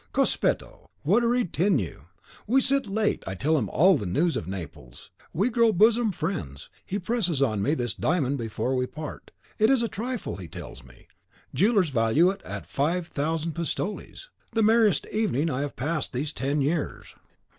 Cospetto, what a retinue! We sit late, I tell him all the news of Naples; we grow bosom friends; he presses on me this diamond before we part, is a trifle, he tells me: the jewellers value it at 5000 pistoles! the merriest evening I have passed these ten years."